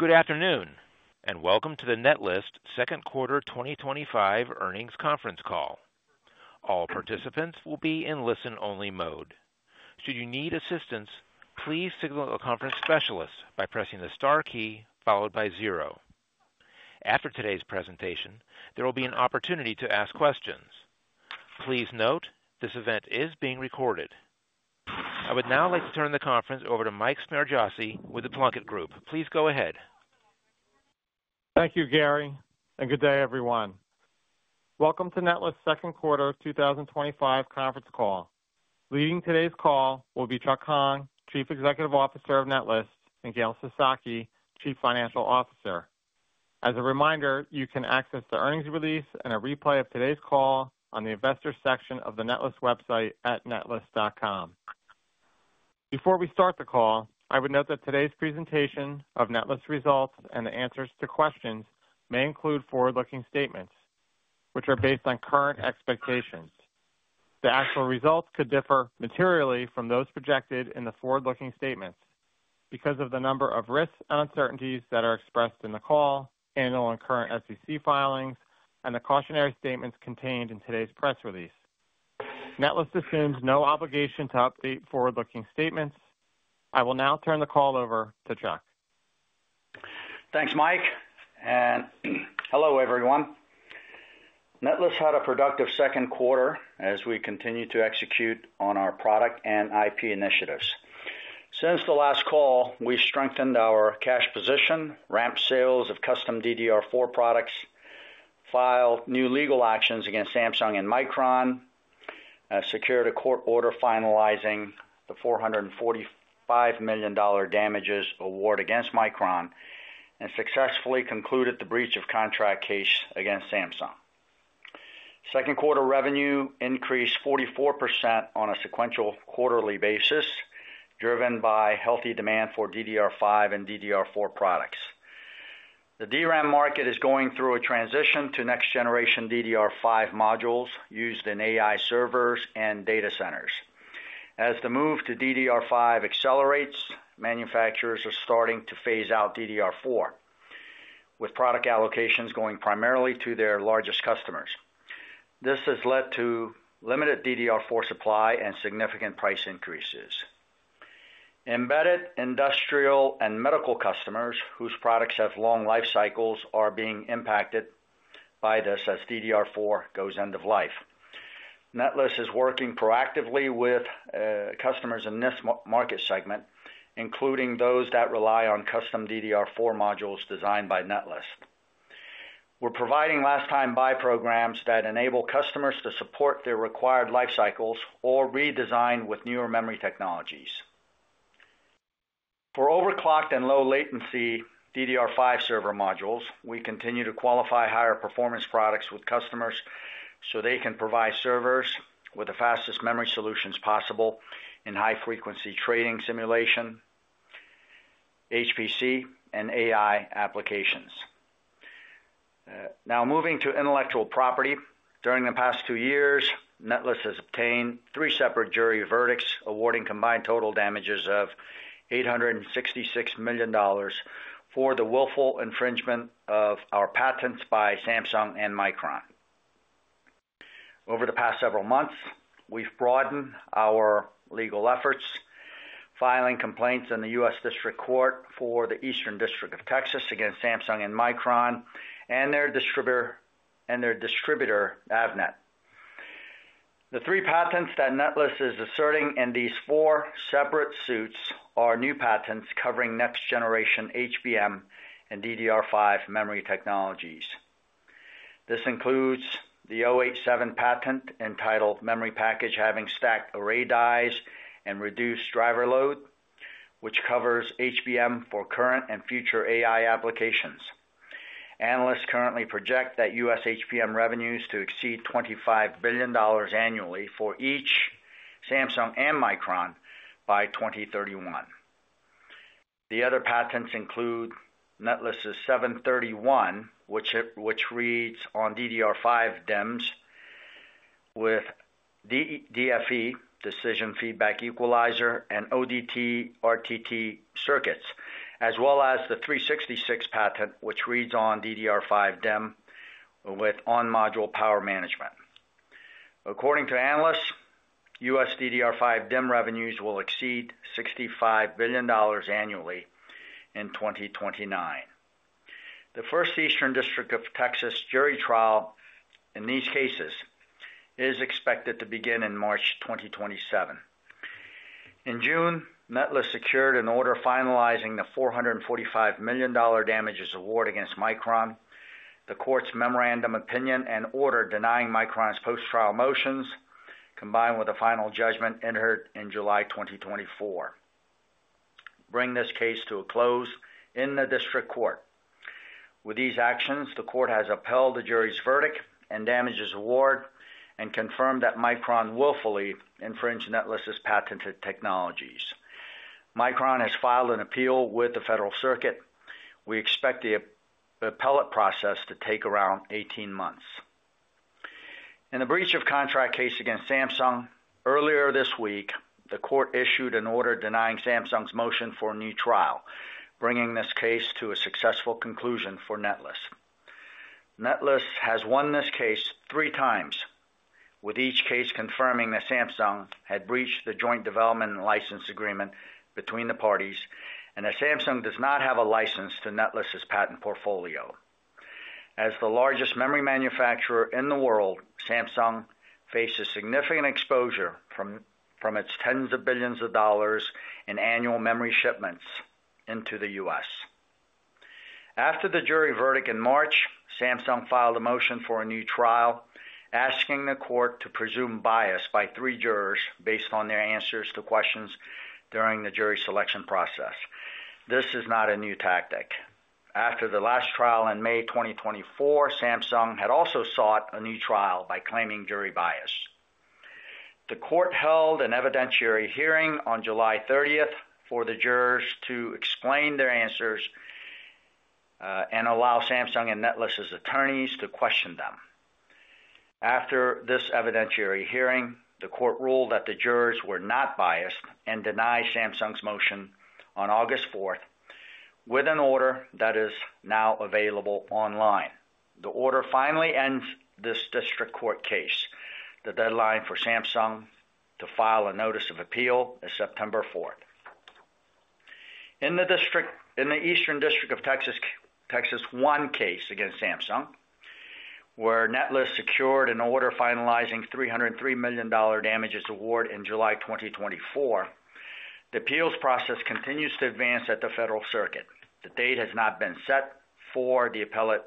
Good afternoon and welcome to the Netlist Second Quarter 2025 Earnings Conference Call. All participants will be in listen-only mode. Should you need assistance, please signal a conference specialist by pressing the star key followed by zero. After today's presentation, there will be an opportunity to ask questions. Please note this event is being recorded. I would now like to turn the conference over to Mike Smargiassi with The Plunkett Group. Please go ahead. Thank you, Gary, and good day, everyone. Welcome to Netlist's Second Quarter 2025 Conference Call. Leading today's call will be Chuck Hong, Chief Executive Officer of Netlist, and Gail Sasaki, Chief Financial Officer. As a reminder, you can access the earnings release and a replay of today's call on the Investors section of the Netlist website at netlist.com. Before we start the call, I would note that today's presentation of Netlist results and the answers to questions may include forward-looking statements, which are based on current expectations. The actual results could differ materially from those projected in the forward-looking statements because of the number of risks and uncertainties that are expressed in the call, annual and current SEC filings, and the cautionary statements contained in today's press release. Netlist assumes no obligation to update forward-looking statements. I will now turn the call over to Chuck. Thanks, Mike, and hello, everyone. Netlist had a productive second quarter as we continued to execute on our product and IP initiatives. Since the last call, we strengthened our cash position, ramped sales of custom DDR4 products, filed new legal actions against Samsung and Micron, secured a court order finalizing the $445 million damages award against Micron, and successfully concluded the breach of contract case against Samsung. Second quarter revenue increased 44% on a sequential quarterly basis, driven by healthy demand for DDR5 and DDR4 products. The DRAM market is going through a transition to next-generation DDR5 modules used in AI servers and data centers. As the move to DDR5 accelerates, manufacturers are starting to phase out DDR4, with product allocations going primarily to their largest customers. This has led to limited DDR4 supply and significant price increases. Embedded industrial and medical customers whose products have long life cycles are being impacted by this as DDR4 goes end of life. Netlist is working proactively with customers in this market segment, including those that rely on custom DDR4 modules designed by Netlist. We're providing last-time buy programs that enable customers to support their required life cycles or redesign with newer memory technologies. For overclocked and low-latency DDR5 server modules, we continue to qualify higher-performance products with customers so they can provide servers with the fastest memory solutions possible in high-frequency training simulation, HPC, and AI applications. Now, moving to intellectual property, during the past two years, Netlist has obtained three separate jury verdicts awarding combined total damages of $866 million for the willful infringement of our patents by Samsung and Micron. Over the past several months, we've broadened our legal efforts, filing complaints in the U.S. District Court for the Eastern District of Texas against Samsung and Micron and their distributor, Avnet. The three patents that Netlist is asserting in these four separate suits are new patents covering next-generation HBM and DDR5 memory technologies. This includes the '087 patent entitled "Memory Package Having Stacked Array Dies and Reduced Driver Load," which covers HBM for current and future AI applications. Analysts currently project that U.S. HBM revenues to exceed $25 billion annually for each, Samsung and Micron, by 2031. The other patents include Netlist's '731, which reads on DDR5 DIMMs with DFE, Decision Feedback Equalizer, and ODT/RTT circuits, as well as the '366 patent, which reads on DDR5 DIMM with On-Module Power Management. According to analysts, U.S. DDR5 DIMM revenues will exceed $65 billion annually in 2029. The first Eastern District of Texas jury trial in these cases is expected to begin in March 2027. In June, Netlist secured an order finalizing the $445 million damages award against Micron, the court's memorandum opinion and order denying Micron's post-trial motions, combined with a final judgment entered in July 2024, bringing this case to a close in the district court. With these actions, the court has upheld the jury's verdict and damages award and confirmed that Micron willfully infringed Netlist's patented technologies. Micron has filed an appeal with the federal circuit. We expect the appellate process to take around 18 months. In the breach of contract case against Samsung, earlier this week, the court issued an order denying Samsung's motion for a new trial, bringing this case to a successful conclusion for Netlist. Netlist has won this case three times, with each case confirming that Samsung had breached the joint development and license agreement between the parties and that Samsung does not have a license to Netlist's patent portfolio. As the largest memory manufacturer in the world, Samsung faces significant exposure from its tens of billions of dollars in annual memory shipments into the U.S. After the jury verdict in March, Samsung filed a motion for a new trial asking the court to presume bias by three jurors based on their answers to questions during the jury selection process. This is not a new tactic. After the last trial in May 2024, Samsung had also sought a new trial by claiming jury bias. The court held an evidentiary hearing on July 30th for the jurors to explain their answers and allow Samsung and Netlist's attorneys to question them. After this evidentiary hearing, the court ruled that the jurors were not biased and denied Samsung's motion on August 4th with an order that is now available online. The order finally ends this district court case. The deadline for Samsung to file a notice of appeal is September 4th. In the Eastern District of Texas-I case against Samsung, where Netlist secured an order finalizing $303 million damages award in July 2024, the appeals process continues to advance at the federal circuit. The date has not been set for the appellate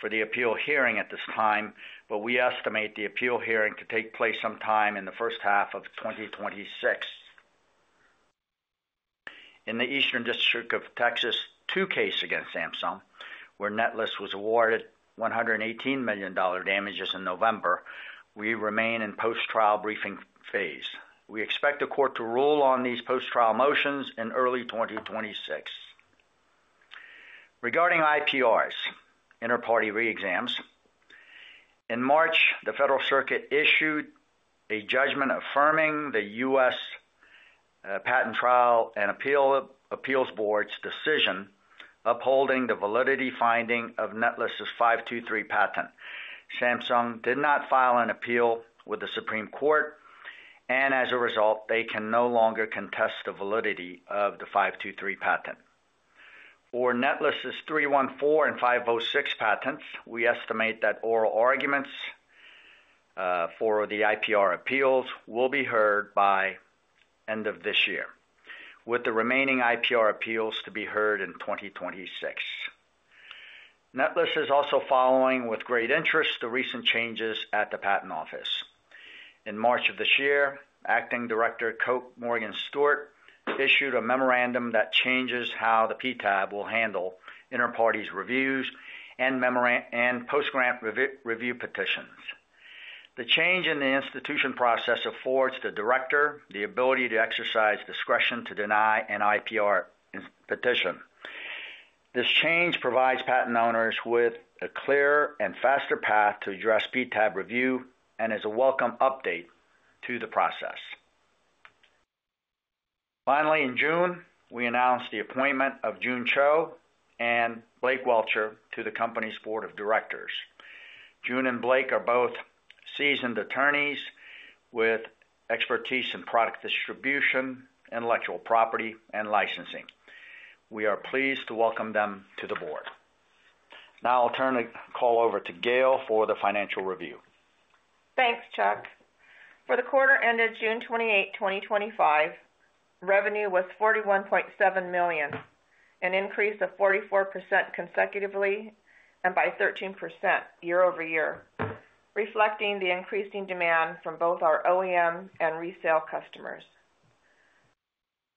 for the appeal hearing at this time, but we estimate the appeal hearing could take place sometime in the first half of 2026. In the Eastern District of Texas-II case against Samsung, where Netlist was awarded $118 million damages in November, we remain in post-trial briefing phase. We expect the court to rule on these post-trial motions in early 2026. Regarding IPRs, Inter Partes Reexams, in March, the Federal Circuit issued a judgment affirming the U.S. Patent Trial and Appeals Board's decision upholding the validity finding of Netlist's '523 patent. Samsung did not file an appeal with the Supreme Court, and as a result, they can no longer contest the validity of the '523 patent. For Netlist's '314 and '506 patents, we estimate that oral arguments for the IPR appeals will be heard by the end of this year, with the remaining IPR appeals to be heard in 2026. Netlist is also following with great interest the recent changes at the patent office. In March of this year, Acting Director Coke Morgan Stewart issued a memorandum that changes how the PTAB will handle interparty reviews and post-grant review petitions. The change in the institution process affords the Director the ability to exercise discretion to deny an IPR petition. This change provides patent owners with a clearer and faster path to address PTAB review and is a welcome update to the process. Finally, in June, we announced the appointment of Jun Cho and Blake Welcher to the company's board of directors. Jun and Blake are both seasoned attorneys with expertise in product distribution, intellectual property, and licensing. We are pleased to welcome them to the board. Now I'll turn the call over to Gail for the financial review. Thanks, Chuck. For the quarter ended June 28, 2025, revenue was $41.7 million, an increase of 44% consecutively and by 13% year-over-year, reflecting the increasing demand from both our OEM and resale customers.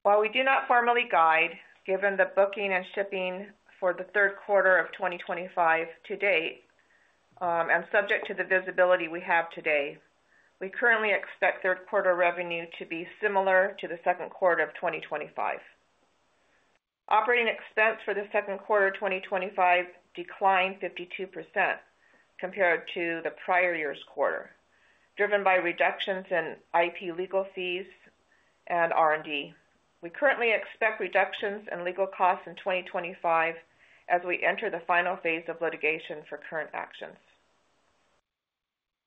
While we do not formally guide, given the booking and shipping for the third quarter of 2025 to date and subject to the visibility we have today, we currently expect third quarter revenue to be similar to the second quarter of 2025. Operating expense for the second quarter of 2025 declined 52% compared to the prior year's quarter, driven by reductions in IP legal fees and R&D. We currently expect reductions in legal costs in 2025 as we enter the final phase of litigation for current actions.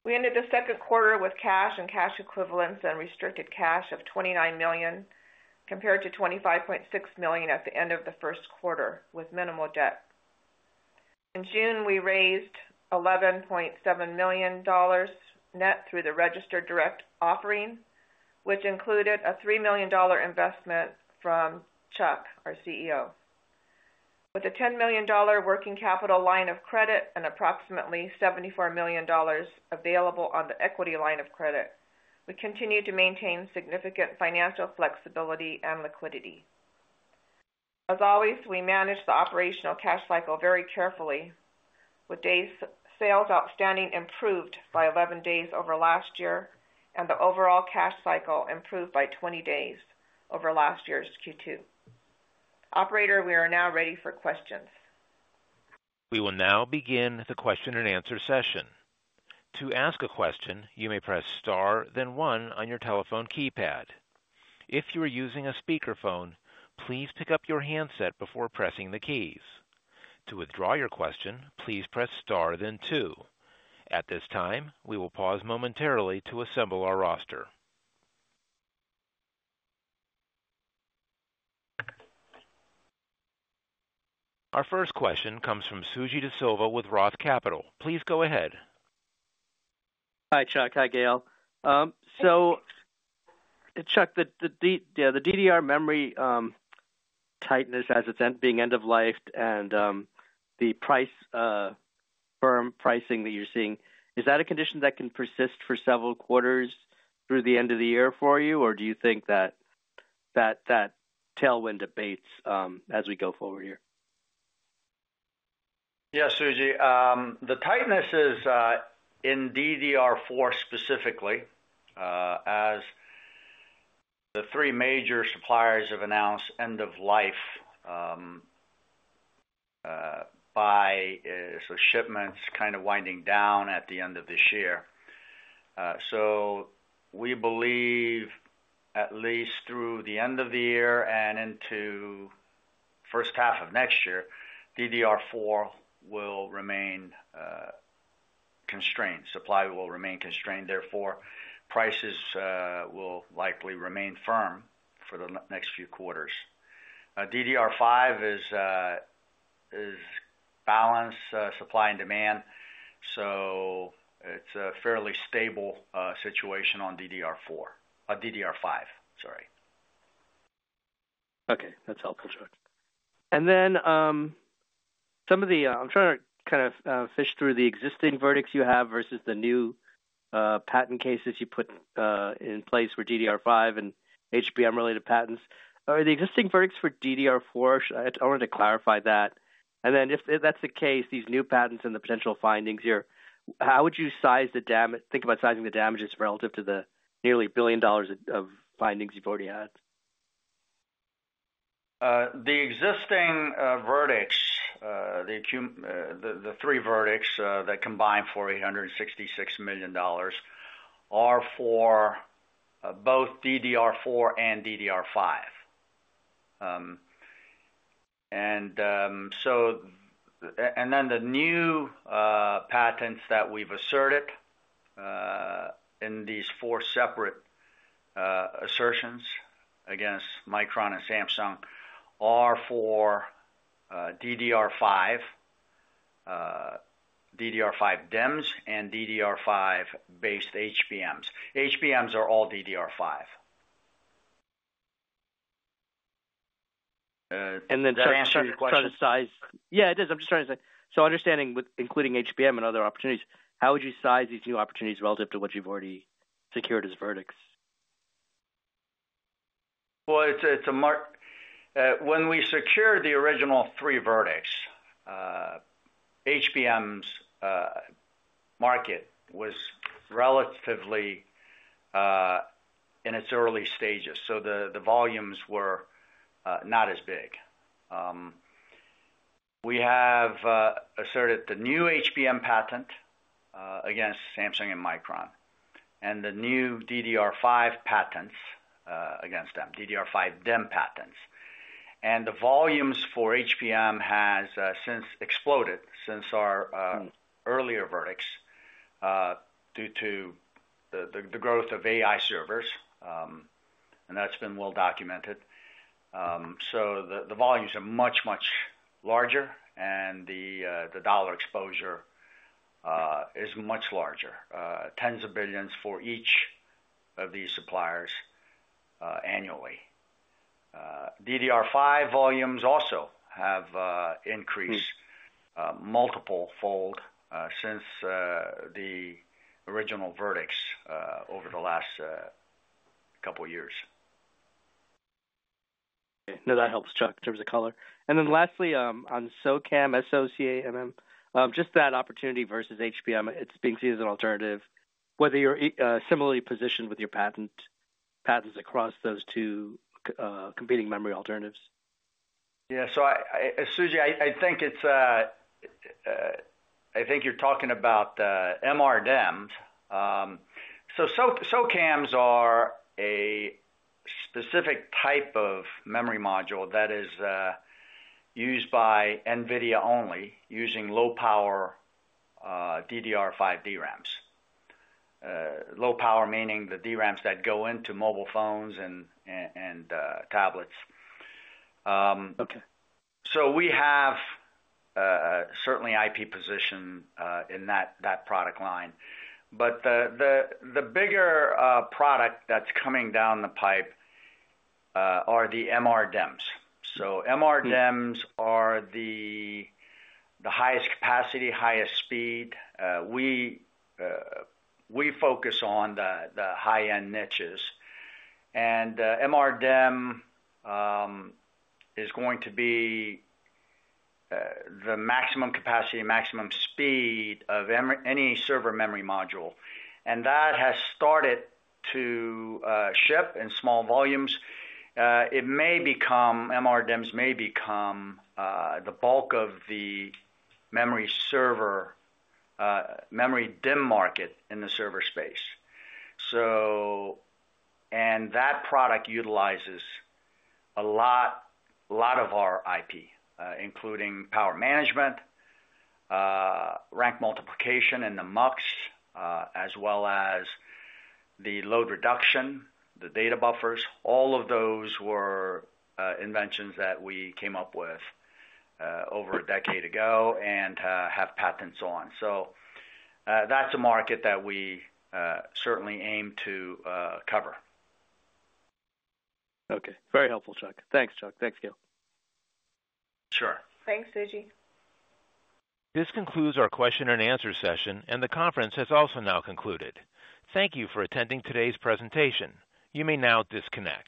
We ended the second quarter with cash and cash equivalents and restricted cash of $29 million compared to $25.6 million at the end of the first quarter with minimal debt. In June, we raised $11.7 million net through the registered direct offering, which included a $3 million investment from Chuck, our CEO. With a $10 million working capital line of credit and approximately $74 million available on the equity line of credit, we continue to maintain significant financial flexibility and liquidity. As always, we manage the operational cash cycle very carefully, with days sales outstanding improved by 11 days over last year and the overall cash cycle improved by 20 days over last year's Q2. Operator, we are now ready for questions. We will now begin the question-and-answer session. To ask a question, you may press star, then one on your telephone keypad. If you are using a speakerphone, please pick up your handset before pressing the keys. To withdraw your question, please press star, then two. At this time, we will pause momentarily to assemble our roster. Our first question comes from Suji Desilva with ROTH Capital. Please go ahead. Hi, Chuck. Hi, Gail. Chuck, the DDR memory tightness, as it's being end of life and the firm pricing that you're seeing, is that a condition that can persist for several quarters through the end of the year for you, or do you think that tailwind debates as we go forward here? Yeah, Suji. The tightness is in DDR4 specifically, as the three major suppliers have announced end of life, so shipments kind of winding down at the end of this year. We believe at least through the end of the year and into the first half of next year, DDR4 will remain constrained. Supply will remain constrained. Therefore, prices will likely remain firm for the next few quarters. DDR5 is balanced supply and demand, so it's a fairly stable situation on DDR4. DDR5, sorry. Okay. That's helpful, Chuck. I'm trying to kind of fish through the existing verdicts you have versus the new patent cases you put in place for DDR5 and HBM-related patents. Are the existing verdicts for DDR4? I wanted to clarify that. If that's the case, these new patents and the potential findings here, how would you size the damage, think about sizing the damages relative to the nearly $1 billion of findings you've already had? The existing verdicts, the three verdicts that combine for $866 million are for both DDR4 and DDR5. The new patents that we've asserted in these four separate assertions against Micron and Samsung are for DDR5 DIMMs and DDR5-based HBM. HBM is all DDR5. That's trying to question size. Yeah, it is. I'm just trying to say, so understanding with including HBM and other opportunities, how would you size these new opportunities relative to what you've already secured as verdicts? It's a mark. When we secured the original three verdicts, HBM's market was relatively in its early stages, so the volumes were not as big. We have asserted the new HBM patent against Samsung and Micron and the new DDR5 patents against them, DDR5 DIMM patents. The volumes for HBM have since exploded since our earlier verdicts due to the growth of AI servers, and that's been well documented. The volumes are much, much larger, and the dollar exposure is much larger, tens of billions for each of these suppliers annually. DDR5 volumes also have increased multiple fold since the original verdicts over the last couple of years. Okay. No, that helps, Chuck, in terms of color. Lastly, on SOCAMM, S-O-C-A-M-M, just that opportunity versus HBM, it's being seen as an alternative, whether you're similarly positioned with your patents across those two competing memory alternatives. Yeah. Suji, I think you're talking about the MRDIMMs. SOCAMs are a specific type of memory module that is used by NVIDIA only, using low-power DDR5 DRAMs. Low power meaning the DRAMs that go into mobile phones and tablets. We have certainly an IP position in that product line. The bigger product that's coming down the pipe are the MRDIMMs. MRDIMMs are the highest capacity, highest speed. We focus on the high-end niches. MRDIMM is going to be the maximum capacity, maximum speed of any server memory module. That has started to ship in small volumes. It may become, MRDIMMs may become the bulk of the memory server, memory DIMM market in the server space. That product utilizes a lot of our IP, including power management, rank multiplication in the MUX, as well as the load reduction, the data buffers. All of those were inventions that we came up with over a decade ago and have patents on. That's a market that we certainly aim to cover. Okay. Very helpful, Chuck. Thanks, Chuck. Thanks, Gail. Sure. Thanks, Suji. This concludes our question-and-answer session, and the conference has also now concluded. Thank you for attending today's presentation. You may now disconnect.